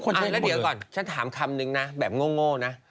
ใช่แล้วเดี๋ยวก่อนฉันถามคำนึงนะแบบโง่นะ